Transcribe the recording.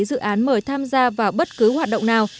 dự án mời tham gia vào bất cứ hoạt động nào